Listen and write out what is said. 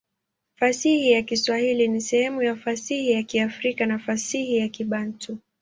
Fasihi ya Kiswahili ni sehemu ya fasihi ya Kiafrika na fasihi ya Kibantu.